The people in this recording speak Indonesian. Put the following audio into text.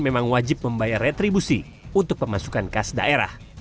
membayar retribusi untuk pemasukan kas daerah